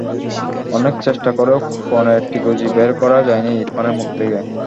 অনেক চেষ্টা করেও কনের ঠিকুজি বের করা যায়নি ইরফানের মুখ থেকে।